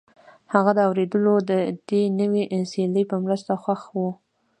هغه د اورېدلو د دې نوې وسیلې په مرسته خوښ و